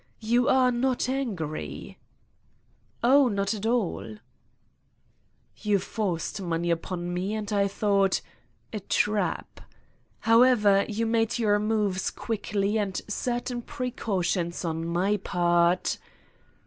You are not angry ?" "Oh, not at all" "You forced money upon me and I thought: a trap I However you made your moves quickly and certain precautions on my part